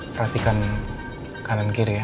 perhatikan kanan kiri ya